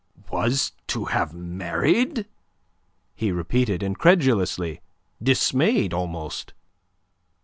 "Was to have married?" he repeated incredulously, dismayed almost.